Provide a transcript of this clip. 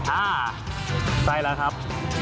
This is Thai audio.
อ่าใช่แล้วครับ